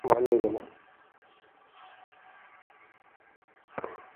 তিনি সদরের মামলার নিষ্পত্তি।